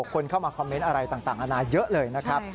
คนเข้ามาคอมเมนต์อะไรต่างอาณาเยอะเลยนะครับ